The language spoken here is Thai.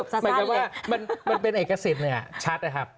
หมายความว่ามันเป็นเอกสิทธิ์ชัดนะครับ